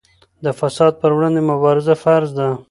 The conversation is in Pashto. د فساد پر وړاندې مبارزه فرض ده.